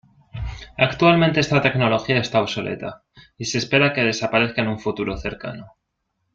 Actualmente esta tecnología está obsoleta y se espera que desaparezca en un futuro cercano.